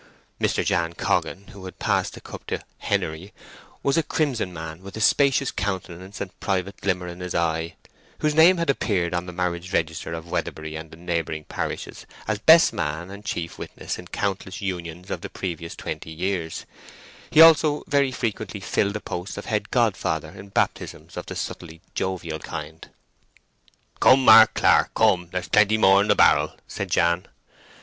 Mr. Jan Coggan, who had passed the cup to Henery, was a crimson man with a spacious countenance and private glimmer in his eye, whose name had appeared on the marriage register of Weatherbury and neighbouring parishes as best man and chief witness in countless unions of the previous twenty years; he also very frequently filled the post of head godfather in baptisms of the subtly jovial kind. "Come, Mark Clark—come. Ther's plenty more in the barrel," said Jan.